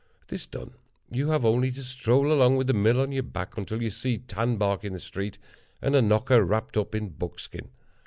This done, you have only to stroll along, with the mill on your back, until you see tanbark in the street, and a knocker wrapped up in buckskin.